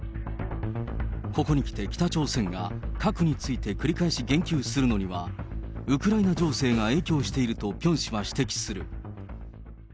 ここにきて、北朝鮮が核について、繰り返し言及するのには、ウクライナ情勢が影響しているとピョン氏は指摘する。